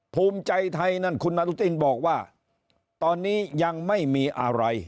ภูมิใจไทยนั่นคุณอนุทินบอกว่าตอนนี้ยังไม่มีอะไร